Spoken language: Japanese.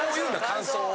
感想を！